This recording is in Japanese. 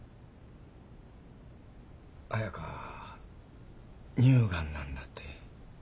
彩佳乳ガンなんだって。